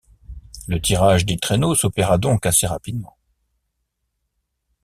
Le tirage des traîneaux s’opéra donc assez rapidement.